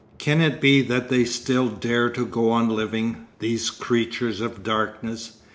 Can it be that they still dare to go on living, these creatures of darkness?